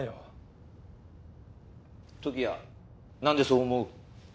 時矢なんでそう思う？